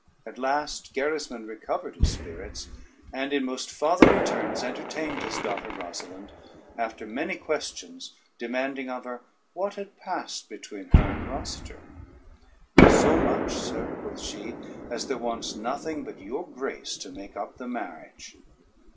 At last Gerismond recovered his spirits, and in most fatherly terms entertained his daughter Rosalynde, after many questions demanding of her what had passed between her and Rosader? "So much, sir," quoth she, "as there wants nothing but your grace to make up the marriage."